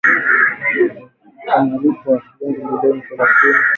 kwa malipo ya shilingi bilioni thelathini na nne za Kenya milioni mia mbili